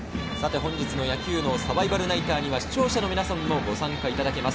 本日の野球脳サバイバルナイターには視聴者の皆さんもご参加いただけます。